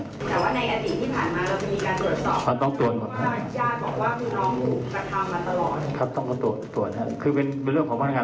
เพื่อที่จะเข้าในกลุ่มกับผู้ตาย